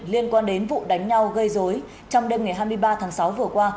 liên quan đến vụ đánh nhau gây dối trong đêm ngày hai mươi ba tháng sáu vừa qua